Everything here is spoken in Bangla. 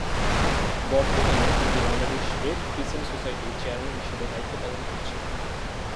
বর্তমানে তিনি বাংলাদেশ রেড ক্রিসেন্ট সোসাইটির চেয়ারম্যান হিসেবে দায়িত্ব পালন করছেন।